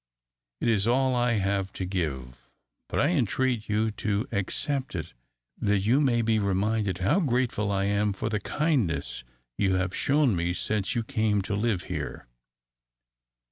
"It is all I have to give, but I entreat you to accept it, that you may be reminded how grateful I am for the kindness you have shown me since you came to live here!"